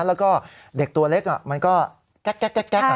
แล้วก็เด็กตัวเล็กมันก็แก๊กแก๊กค่ะ